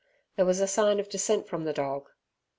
There was a sign of dissent from the dog.